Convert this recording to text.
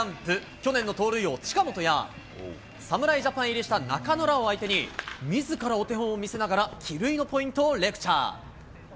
去年の盗塁王、近本や侍ジャパン入りした中野らを相手に、みずからお手本を見せながら、帰塁のポイントをレクチャー。